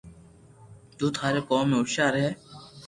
تو ٿاري ڪوم ۾ ھوݾيار ھي